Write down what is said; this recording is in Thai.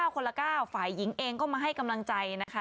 คนละ๙ฝ่ายหญิงเองก็มาให้กำลังใจนะคะ